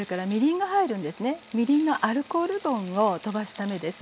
みりんのアルコール分をとばすためです。